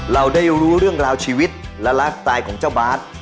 เราได้รู้เรื่องราวชีวิตและไลฟ์สไตล์ของเจ้าบาท